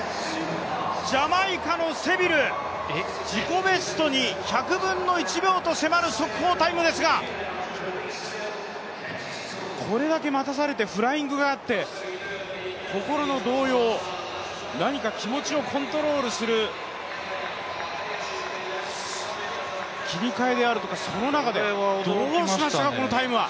ジャマイカのセビル、自己ベストに１００分の１秒と迫る速報タイムですがこれだけ待たされてフライングがあって、心の動揺、何か気持ちをコントロールする、切り替えであるとかその中でどうしましたか、このタイムは。